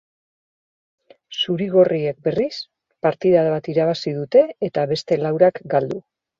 Zuri-gorriek, berriz, partida bat irabazi dute eta beste laurak galdu.